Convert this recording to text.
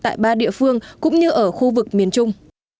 tại ba địa phương cũng như ở khu vực miền trung